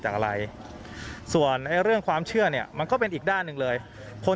จากอะไรส่วนเรื่องความเชื่อเนี่ยมันก็เป็นอีกด้านหนึ่งเลยคน